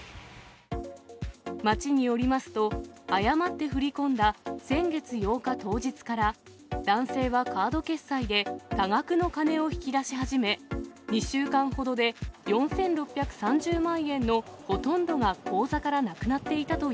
町によりますと、誤って振り込んだ先月８日当日から、男性はカード決済で多額の金を引き出し始め、２週間ほどで４６３０万円のほとんどが口座からなくなっていたと